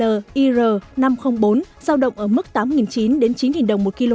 giá gạo ir năm trăm linh bốn giao động ở mức tám chín trăm linh đến chín đồng một kg